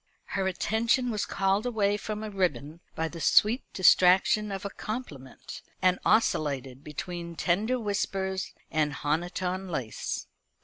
Her attention was called away from a ribbon by the sweet distraction of a compliment, and oscillated between tender whispers and honiton lace.